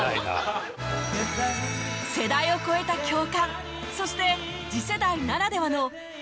世代を超えた共感そして次世代ならではの新たな発見